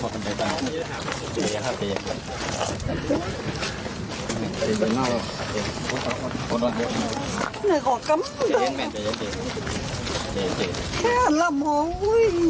ขอคร่ำไปก่อนแล้ว